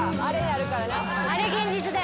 あれ現実だよね。